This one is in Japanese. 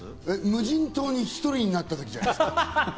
無人島で１人になった時じゃないですか？